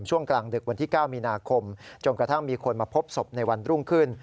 ช่วงกลางดึกวันที่๙มีนาคมจนกระทั่งมีคนมาพบศพในวันรุ่งขึ้น